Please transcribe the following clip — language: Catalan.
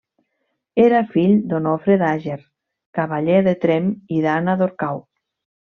Era fill d'Onofre d'Àger, cavaller de Tremp, i d'Anna d'Orcau.